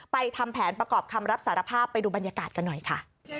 ทำแผนประกอบคำรับสารภาพไปดูบรรยากาศกันหน่อยค่ะ